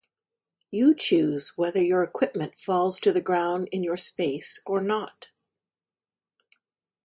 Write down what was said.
You choose whether your equipment falls to the ground in your space or not.